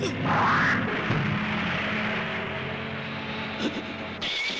はっ。